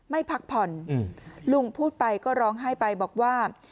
พักผ่อนลุงพูดไปก็ร้องไห้ไปบอกว่า